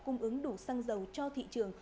cung ứng đủ xăng dầu cho thị trường